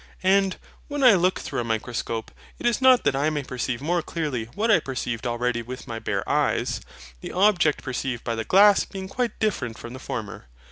And, when I look through a microscope, it is not that I may perceive more clearly what I perceived already with my bare eyes; the object perceived by the glass being quite different from the former.